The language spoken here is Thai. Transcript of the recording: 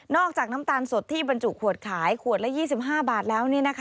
อกจากน้ำตาลสดที่บรรจุขวดขายขวดละ๒๕บาทแล้ว